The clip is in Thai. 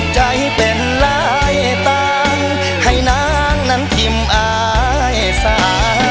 ใจเป็นรายต่างให้นางนั้นพิมอายสา